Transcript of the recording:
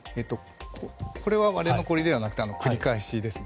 これは、割れ残りではなくて繰り返しですね。